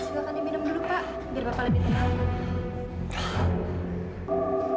silakannya minum dulu pak biar bapak lebih tenang